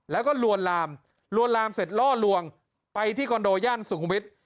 แล้วก็ลวนลามลวนลามเสร็จล่อลวงไปที่คอนโดย่านสุขุมวิทย์